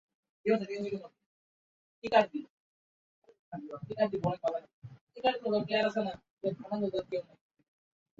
আদিল খানকে একই অপরাধের জন্য আট বছরের কারাদণ্ড দেওয়া হয়েছিল।